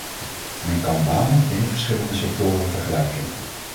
Men kan banen binnen verschillende sectoren vergelijken.